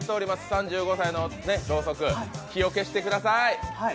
３５歳のろうそく、火を消してください。